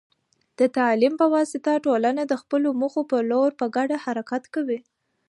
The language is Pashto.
د تعلیم په واسطه، ټولنه د خپلو موخو په لور په ګډه حرکت کوي.